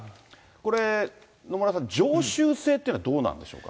これ、野村さん、常習性っていうのはどうなんでしょうか。